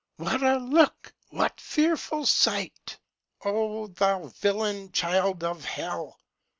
What a look! what fearful sight Oh, thou villain child of hell!